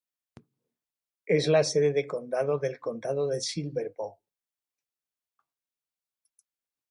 Es la sede de condado del condado de Silver Bow.